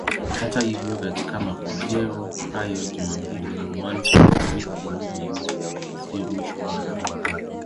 Hata hivyo katika mapokeo hayo Jumapili ni mwanzo wa wiki mpya, si mwisho wake.